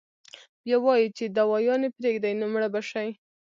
بيا وائي چې دوايانې پرېږدي نو مړه به شي -